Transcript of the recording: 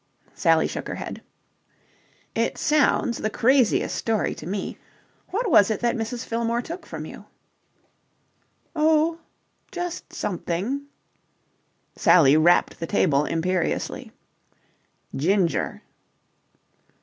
Sally shook her head. "It sounds the craziest story to me. What was it that Mrs. Fillmore took from you?" "Oh, just something." Sally rapped the table imperiously. "Ginger!"